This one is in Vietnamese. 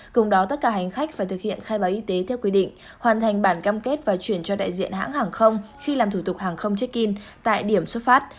cùng đó tất cả hành khách phải thực hiện khai báo y tế theo quy định hoàn thành bản cam kết và chuyển cho đại diện hãng hàng không khi làm thủ tục hàng không check in tại điểm xuất phát